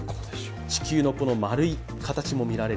地球の丸い形も見られる。